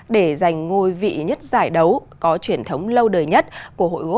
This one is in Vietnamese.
để giành ngôi vị nhất giải đấu có truyền thống lâu đời nhất của hội gốc tp hà nội